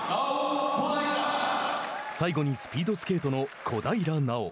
最後にスピードスケートの小平奈緒。